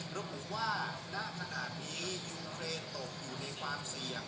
แล้วบอกว่าน่าขนาดนี้ยุเครนตกอยู่ในความเสี่ยง